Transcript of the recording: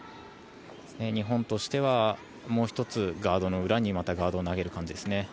日本としてはもう１つ、ガードの裏にまたガードを投げる感じですね。